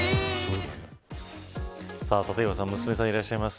さあ、立岩さん娘さんいらっしゃいます。